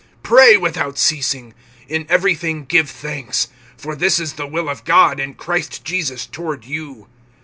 (17)Pray without ceasing. (18)In everything give thanks; for this is the will of God in Christ Jesus, toward you.